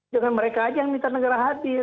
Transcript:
jangan mereka aja yang minta negara hadir